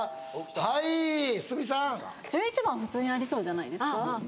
はい鷲見さん１１番普通にありそうじゃないですか？